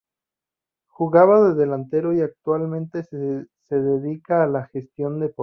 Jugaba de delantero y actualmente se dedica a la Gestión Deportiva.